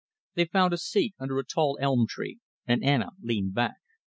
They found a seat under a tall elm tree, and Anna leaned back.